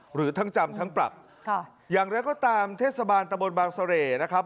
หรือทั้งจำทั้งปรับค่ะอย่างไรก็ตามเทศบาลตะบนบางเสร่นะครับ